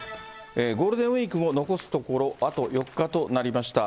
ゴールデンウィークも、残すところあと４日となりました。